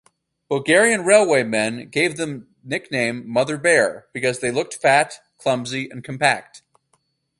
Bulgarian railwaymen gave them nickname "Mother Bear" because they looked fat, clumsy and compact.